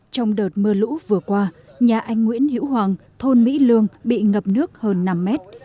trong đợt mưa lũ vừa qua nhà anh nguyễn hiễu hoàng thôn mỹ lương bị ngập nước hơn năm mét